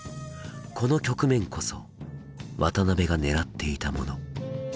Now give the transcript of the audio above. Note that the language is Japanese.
この局面こそ渡辺がねらっていたもの。